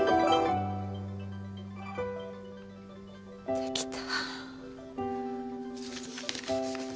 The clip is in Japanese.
できた。